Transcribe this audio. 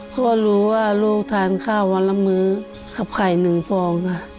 ก็รู้ว่าลูกทานข้าววันละมื้อกับไข่หนึ่งฟองค่ะ